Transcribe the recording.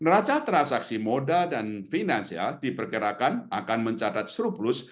neraca transaksi modal dan finansial diperkirakan akan mencatat surplus